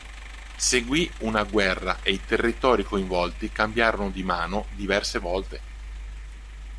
Seguì una guerra e i territori coinvolti cambiarono di mano diverse volte.